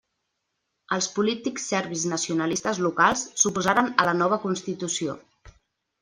Els polítics serbis nacionalistes locals s'oposaren a la nova Constitució.